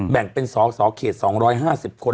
แบ่งเป็นสสเขต๒๕๐คน